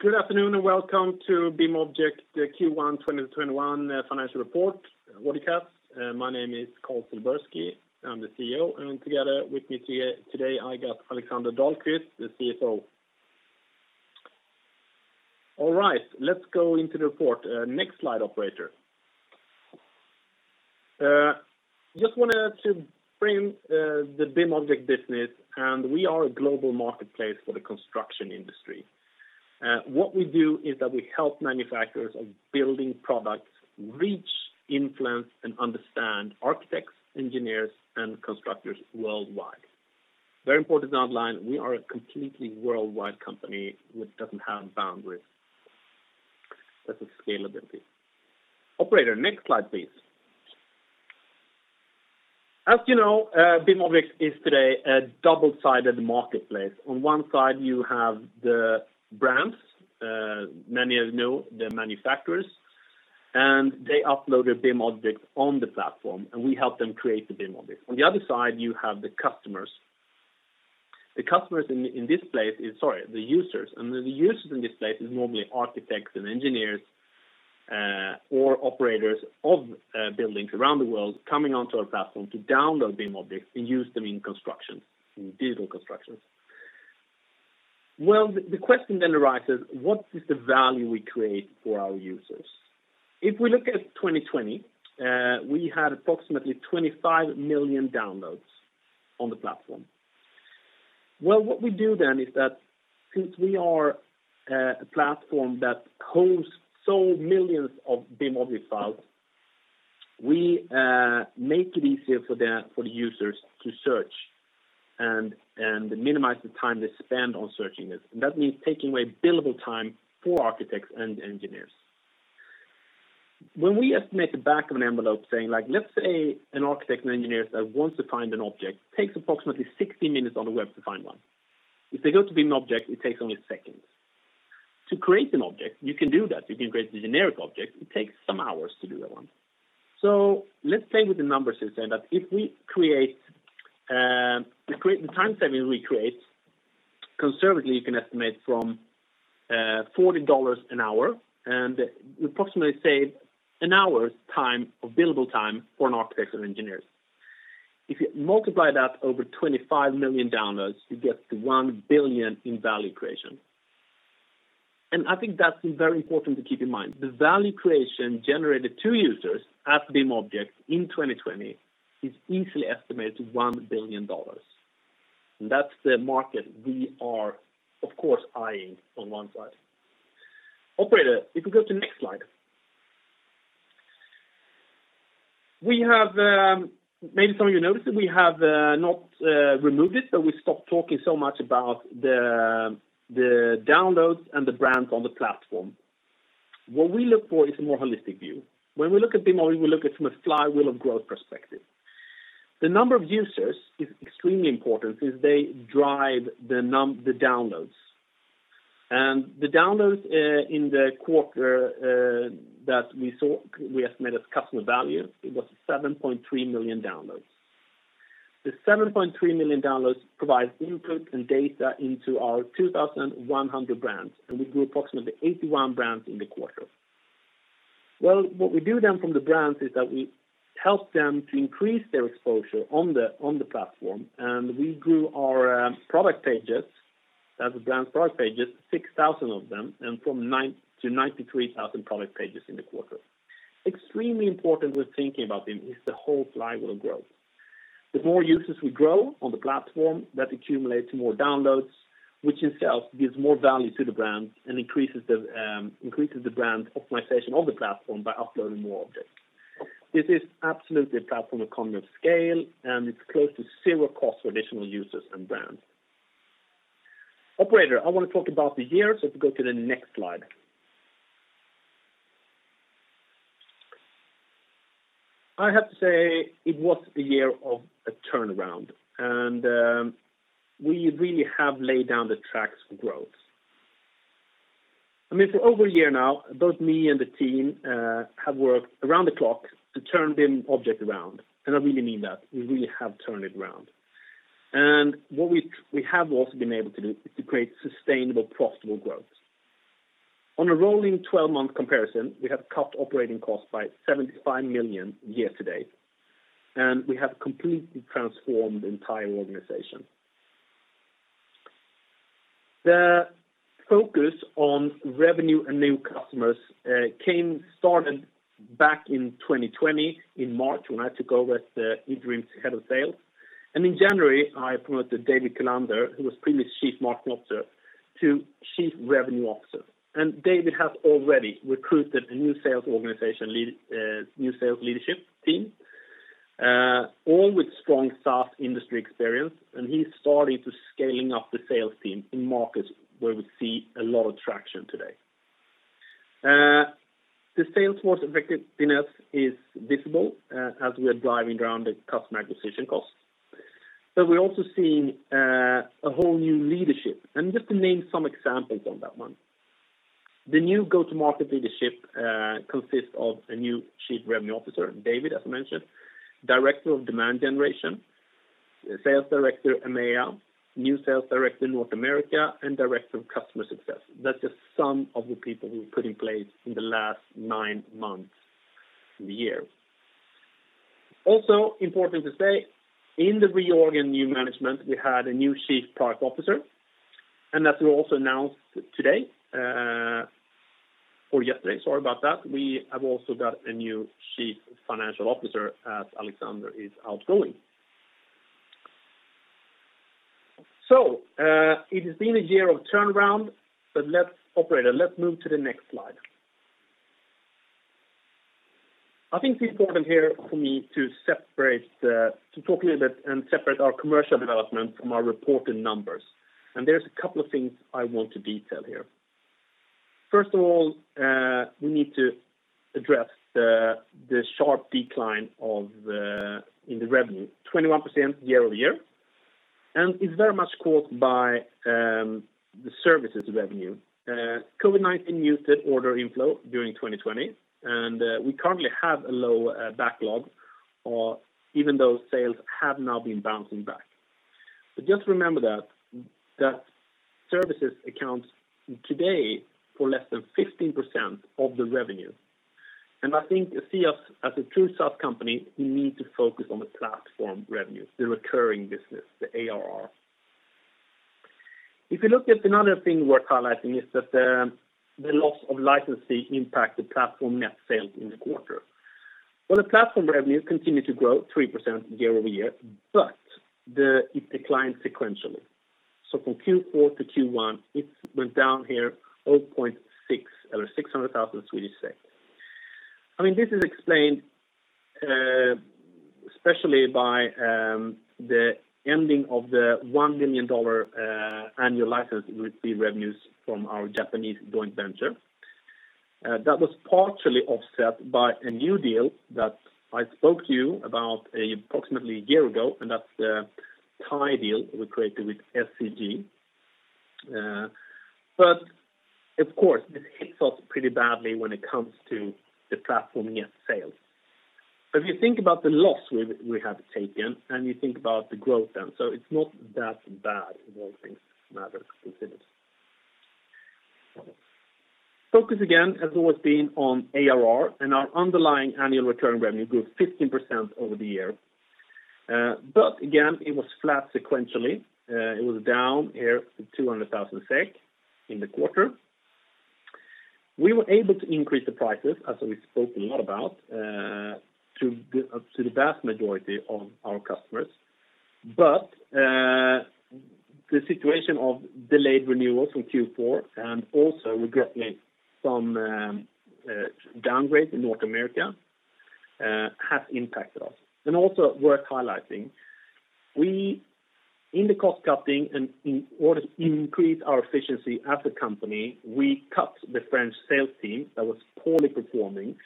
Good afternoon and welcome to BIMobject Q1 2021 financial report broadcast. My name is Carl Silbersky, I'm the CEO, and together with me today, I got Alexander Dahlquist, the CFO. All right. Let's go into the report. Next slide, operator. I just wanted to frame the BIMobject business and we are a global marketplace for the construction industry. What we do is that we help manufacturers of building products reach, influence, and understand architects, engineers, and constructors worldwide, a very important to outline, we are a completely worldwide company who doesn't have boundaries. That's the scalability. Operator, next slide, please. As you know, BIMobject is today a double-sided marketplace. On one side, you have the brands, many of you know the manufacturers, and they upload their BIMobject on the platform, and we help them create the BIMobject. On the other side, you have the customers. The customers in this place is, sorry, the users, and then the users in this place is normally architects and engineers, or operators of buildings around the world coming onto our platform to download BIMobject and use them in construction, in digital construction. Well, the question then arises, what is the value we create for our users? If we look at 2020, we had approximately 25 million downloads on the platform. Well, what we do then is that since we are a platform that hosts so millions of BIMobject files, we make it easier for the users to search and minimize the time they spend on searching it. That means taking away billable time for architects and engineers. When we estimate the back of an envelope saying, like let's say an architect and engineers that wants to find an object, it takes approximately 60 minutes on the web to find one. If they go to BIMobject, it takes only seconds. To create an object, you can do that. You can create the generic object. It takes some hours to do that one. Let's play with the numbers and say that if we create the time saving we create, conservatively, you can estimate from $40 an hour, and we approximately save an hour's time of billable time for an architect or engineers. If you multiply that over 25 million downloads, you get to $1 billion in value creation, and I think that's very important to keep in mind. The value creation generated to users at BIMobject in 2020 is easily estimated to $1 billion. That's the market we are, of course, eyeing on one side. Operator, if you go to next slide. Maybe some of you noticed that we have not removed it, but we stopped talking so much about the downloads and the brands on the platform. What we look for is a more holistic view. When we look at BIMobject, we look at it from a flywheel of growth perspective. The number of users is extremely important is they drive the downloads, and the downloads, in the quarter that we saw, we estimate as customer value, it was 7.3 million downloads. The 7.3 million downloads provides input and data into our 2,100 brands, and we grew approximately 81 brands in the quarter. Well, what we do then from the brands is that we help them to increase their exposure on the platform, and we grew our product pages, that's the brand product pages, 6,000 of them, and from 9 to 93,000 product pages in the quarter. Extremely important, we're thinking about them, is the whole flywheel growth. The more users we grow on the platform, that accumulates more downloads, which in itself gives more value to the brand and increases the brand optimization on the platform by uploading more objects. This is absolutely a platform economy of scale, and it's close to zero cost for additional users and brands. Operator, I want to talk about the year, so if you go to the next slide. I have to say it was the year of a turnaround, and we really have laid down the tracks for growth. For over a year now, both me and the team have worked around the clock to turn BIMobject around, and I really mean that. We really have turned it around. What we have also been able to do is to create sustainable, profitable growth. On a rolling 12-month comparison, we have cut operating costs by 75 million year-to-date, and we have completely transformed the entire organization. The focus on revenue and new customers started back in 2020 in March, when I took over as the interim head of sales. In January, I promoted David Kullander, who was previously Chief Marketing Officer, to Chief Revenue Officer. David has already recruited a new sales leadership team, all with strong SaaS industry experience, and he's starting to scaling up the sales team in markets where we see a lot of traction today. The sales force effectiveness is visible as we are driving down the customer acquisition costs. We're also seeing a whole new leadership and just to name some examples on that one. The new go-to-market leadership consists of a new Chief Revenue Officer, David, as I mentioned, Director of Demand Generation, Sales Director, EMEA, a new Sales Director, North America, and Director of Customer Success. That's just some of the people we've put in place in the last nine months of the year. Also important to say, in the reorg and new management, we had a new Chief Product Officer, and as we also announced today, or yesterday, sorry about that, we have also got a new Chief Financial Officer, as Alexander is outgoing. It has been a year of turnaround, but operator, let's move to the next slide. I think it's important here for me to talk a little bit and separate our commercial development from our reported numbers. There's a couple of things I want to detail here. First of all, we need to address the sharp decline in the revenue, 21% year-over-year, and it's very much caused by the services revenue. COVID-19 muted order inflow during 2020, and we currently have a low backlog, even though sales have now been bouncing back, so just remember that services accounts today for less than 15% of the revenue. I think to see us as a true SaaS company, we need to focus on the platform revenue, the recurring business, the ARR. If you look at another thing worth highlighting, is that the loss of licensing impacted platform net sales in the quarter. Well, the platform revenue continued to grow 3% year-over-year, but it declined sequentially, so from Q4 to Q1, it went down here 0.6 or 600,000. This is explained especially by the ending of the $1 million annual license repeat revenues from our Japanese joint venture. That was partially offset by a new deal that I spoke to you about approximately a year ago, and that's the Thai deal we created with SCG. Of course, it hits us pretty badly when it comes to the platform net sales. If you think about the loss we have taken, and you think about the growth, and so it's not that bad, and all things matters considered. Focus again, has always been on ARR, and our underlying annual recurring revenue grew 15% over the year. Again, it was flat sequentially. It was down here 200,000 SEK in the quarter. We were able to increase the prices, as we spoke a lot about, to the vast majority of our customers. The situation of delayed renewals in Q4, also we got some downgrades in North America, has impacted us. Also worth highlighting, in the cost-cutting and in order to increase our efficiency as a company, we cut the French sales team that was poorly performing,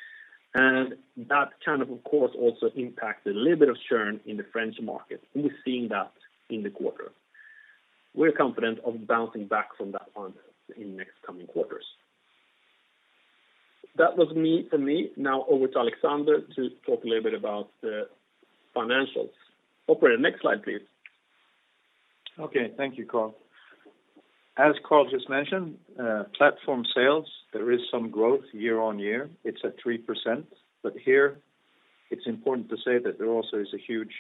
and that kind, of course, also impacted a little bit of churn in the French market, and we're seeing that in the quarter. We're confident of bouncing back from that one in next coming quarters. That was it for me. Now over to Alexander to talk a little bit about the financials. Operator, next slide, please. Okay. Thank you, Carl. As Carl just mentioned, platform sales, there is some growth year-on-year. It's at 3%, but here it's important to say that there also is a huge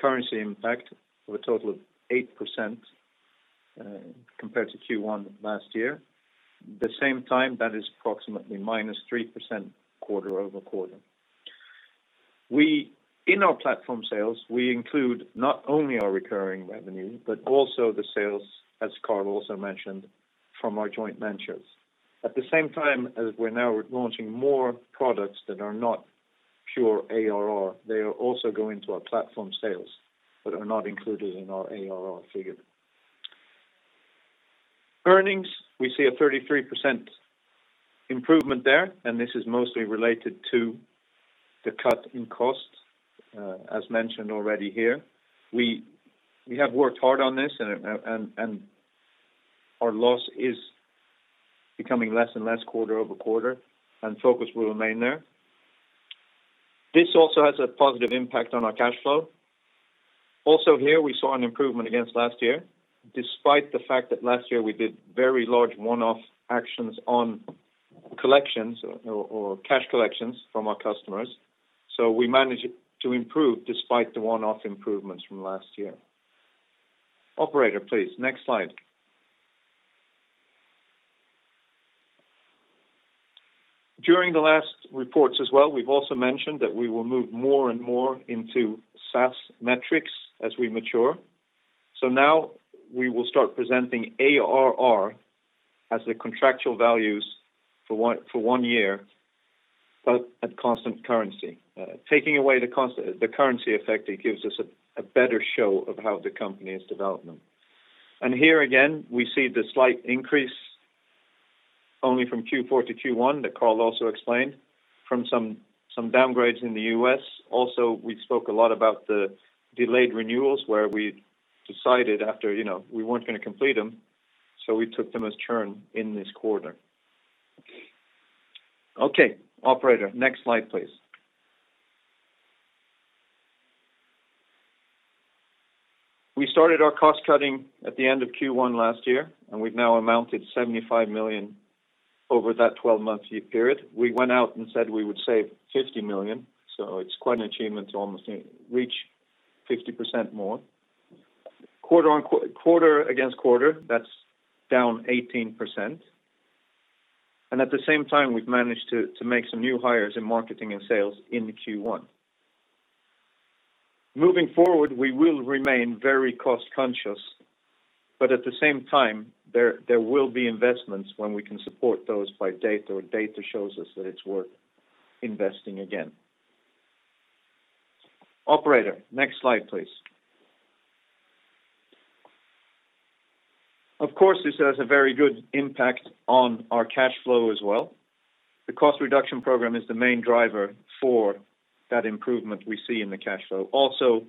currency impact of a total of 8% compared to Q1 last year. At the same time, that is approximately -3% quarter-over-quarter. In our platform sales, we include not only our recurring revenue, but also the sales, as Carl also mentioned, from our joint ventures. At the same time as we're now launching more products that are not pure ARR, they are also going to our platform sales, but are not included in our ARR figure. Earnings, we see a 33% improvement there, and this is mostly related to the cut in costs, as mentioned already here. We have worked hard on this and our loss is becoming less and less quarter-over-quarter, and focus will remain there. This also has a positive impact on our cash flow. Also, here, we saw an improvement against last year, despite the fact that last year we did very large one-off actions on collections or cash collections from our customers. We managed to improve despite the one-off improvements from last year. Operator, please, next slide. During the last reports as well, we've also mentioned that we will move more and more into SaaS metrics as we mature. Now we will start presenting ARR as the contractual values for one year, but at constant currency. Taking away the currency effect, it gives us a better show of how the company's development. Here again, we see the slight increase only from Q4 to Q1 that Carl also explained from some downgrades in the U.S. Also, we spoke a lot about the delayed renewals where we decided after we weren't going to complete them, so we took them as churn in this quarter. Okay. Operator, next slide, please. We started our cost-cutting at the end of Q1 last year. We've now amounted 75 million over that 12-month period. We went out and said we would save 50 million, it's quite an achievement to almost reach 50% more. Quarter against quarter, that's down 18%, and at the same time, we've managed to make some new hires in marketing and sales in Q1. Moving forward, we will remain very cost-conscious, but at the same time, there will be investments when we can support those by data, or data shows us that it's worth investing again. Operator, next slide, please. Of course, this has a very good impact on our cash flow as well. The cost reduction program is the main driver for that improvement we see in the cash flow. Also,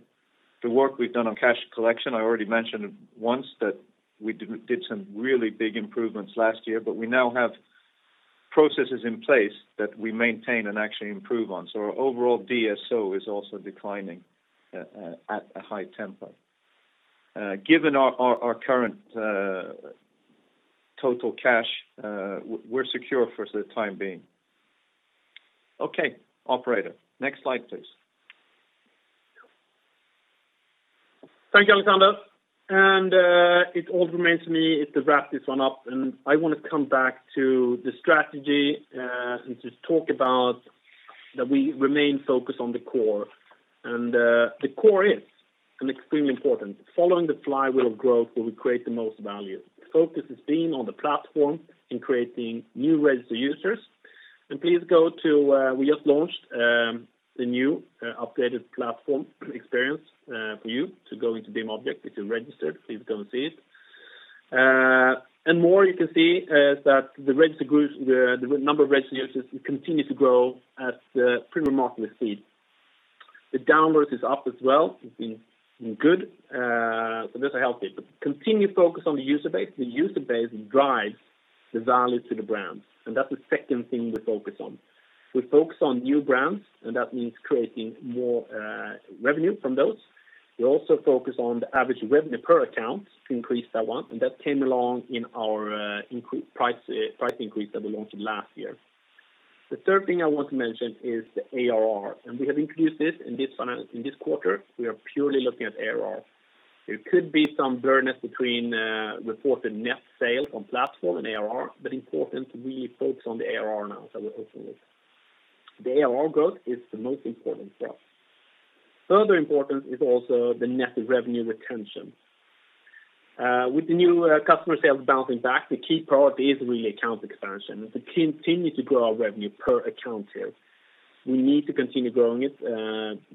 the work we've done on cash collection, I already mentioned once that we did some really big improvements last year. We now have processes in place that we maintain and actually improve on. Our overall DSO is also declining at a high tempo. Given our current total cash, we're secure for the time being. Okay, operator, next slide, please. Thank you, Alexander. It all remains me to wrap this one up, and I want to come back to the strategy, and to talk about that we remain focused on the core. The core is, and extremely important, following the flywheel of growth where we create the most value. The focus is being on the platform in creating new registered users. Please go to, we just launched, the new, updated platform experience, for you to go into BIMobject. If you're registered, please go and see it. More, you can see that the number of registered users continue to grow at a pretty remarkable speed. The downloads is up as well. It's been good. Those are healthy but continue focus on the user base. The user base drives the value to the brands. That's the second thing we focus on. We focus on new brands, and that means creating more revenue from those. We also focus on the average revenue per account to increase that one, and that came along in our price increase that we launched last year. The third thing I want to mention is the ARR and we have introduced this in this quarter. We are purely looking at ARR. There could be some variance between reported net sales on platform and ARR, but important we focus on the ARR now, so we're focusing on that. The ARR growth is the most important for us. Further important is also the net revenue retention. With the new customer sales bouncing back, the key priority is really account expansion, to continue to grow our revenue per account here. We need to continue growing it.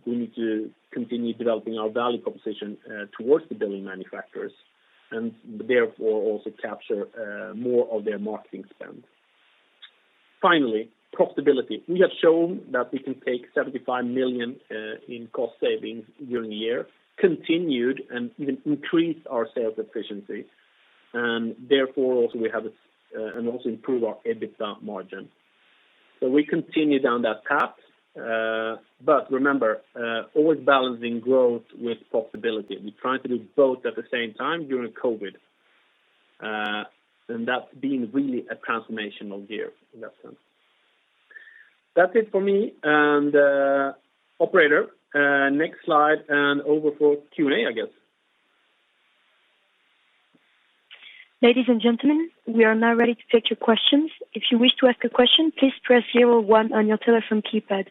We need to continue developing our value proposition towards the building manufacturers, and therefore, also capture more of their marketing spend. Finally, profitability, we have shown that we can take 75 million in cost savings during the year, continued, and even increase our sales efficiency. Therefore, also improve our EBITDA margin. We continue down that path, but remember, always balancing growth with profitability. We try to do both at the same time during COVID and that's been really a transformational year in that sense. That's it for me. Operator, next slide. Over for Q&A, I guess. Ladies and gentlemen, we are now ready to take your questions. If you wish to ask a question, please press zero one on your telephone keypad.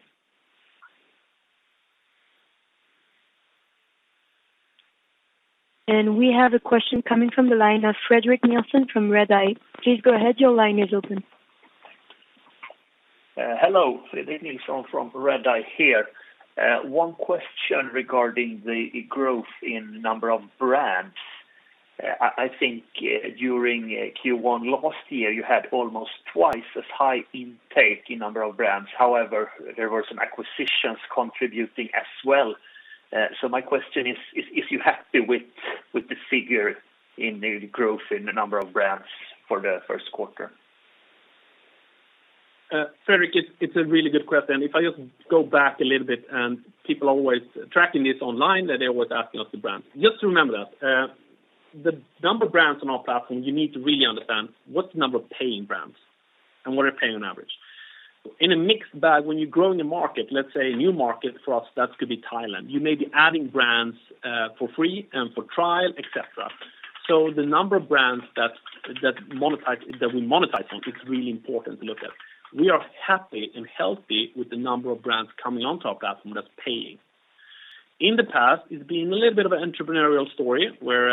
We have a question coming from the line of Fredrik Nilsson from Redeye. Please go ahead. Your line is open. Hello. Fredrik Nilsson from Redeye here. One question regarding the growth in the number of brands. I think during Q1 last year, you had almost twice as high intake in number of brands. However, there were some acquisitions contributing as well. My question is, if you're happy with the figure in the growth in the number of brands for the first quarter? Fredrik, it's a really good question. If I just go back a little bit, and people always tracking this online, they're always asking us the brands, and just remember that. The number of brands on our platform, you need to really understand what's the number of paying brands, and what are they paying on average? In a mixed bag, when you grow in a market, let's say a new market, for us, that could be Thailand. You may be adding brands for free and for trial, et cetera. The number of brands that we monetize on, it's really important to look at. We are happy and healthy with the number of brands coming onto our platform that's paying. In the past, it's been a little bit of an entrepreneurial story, where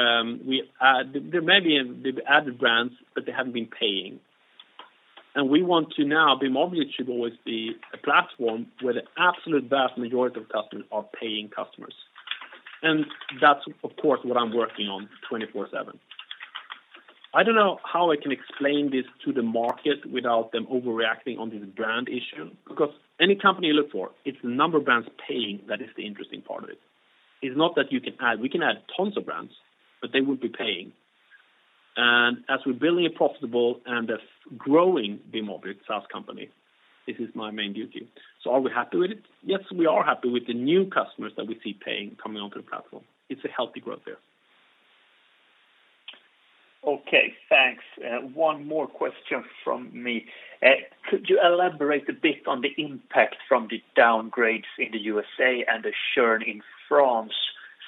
there may be added brands, but they haven't been paying. We want to now, BIMobject should always be a platform where the absolute vast majority of customers are paying customers. That's, of course, what I'm working on 24/7. I don't know how I can explain this to the market without them overreacting on this brand issue. Because any company you look for, it's the number of brands paying that is the interesting part of it. Its not that you can add, we can add tons of brands, but they would be paying. As we're building it profitable and as growing BIMobject sales company, this is my main duty. Are we happy with it? Yes, we are happy with the new customers that we see paying, coming onto the platform. It's a healthy growth there. Okay, thanks, and one more question from me. Could you elaborate a bit on the impact from the downgrades in the U.S.A. and the churn in France,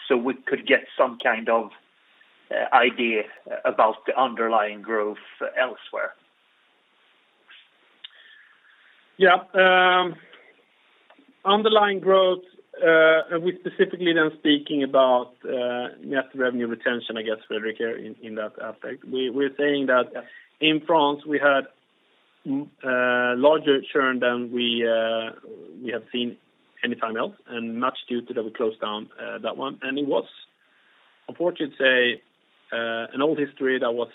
so we could get some kind of idea about the underlying growth elsewhere? Yeah, underlying growth, are we specifically speaking about net revenue retention, I guess, Fredrik, in that aspect? We're saying that in France we had larger churn than we have seen anytime else, much due to that we closed down that one. It was, unfortunately to say, an old history that was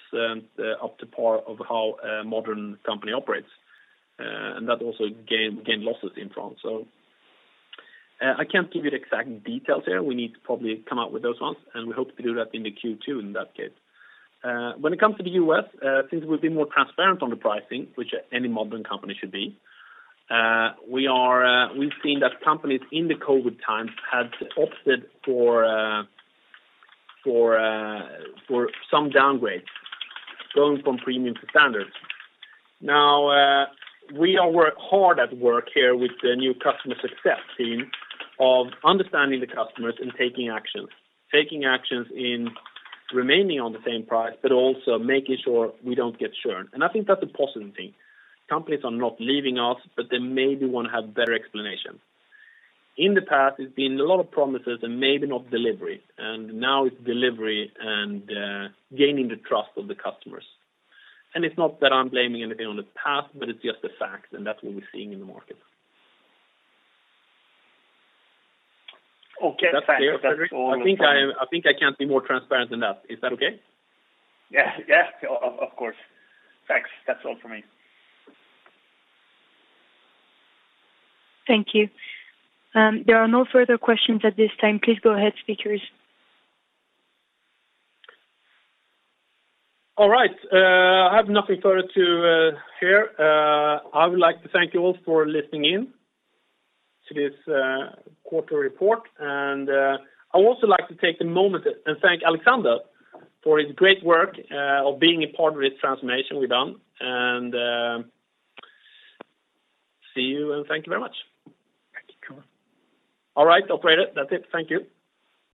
up to par of how a modern company operates, and that also gained losses in France. I can't give you the exact details there. We need to probably come out with those ones, we hope to do that in the Q2 in that case. When it comes to the U.S., since we've been more transparent on the pricing, which any modern company should be, we've seen that companies in the COVID-19 times had opted for some downgrades, going from premium to standard. Now, we are hard at work here with the new customer success team of understanding the customers and taking actions. Taking actions in remaining on the same price, but also making sure we don't get churn, and I think that's a positive thing. Companies are not leaving us, but they maybe want to have better explanation. In the past, it's been a lot of promises and maybe not delivery, and now it's delivery and gaining the trust of the customers. It's not that I'm blaming anything on the past, but it's just the facts, and that's what we're seeing in the market. Okay, thanks. That's all from me. I think I can't be more transparent than that. Is that okay? Yeah, of course, thanks. That's all from me. Thank you. There are no further questions at this time. Please go ahead, speakers. All right. I have nothing further to share. I would like to thank you all for listening in to this quarterly report. I would also like to take a moment and thank Alexander for his great work of being a part of this transformation we've done, and see you, and thank you very much. Thank you. All right, operator. That's it. Thank you.